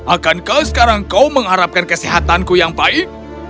akankah sekarang kau mengharapkan kesehatanku yang baik